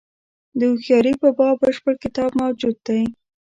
د هوښیاري په باب بشپړ کتاب موجود دی.